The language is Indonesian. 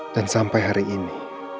dan sampai hari ini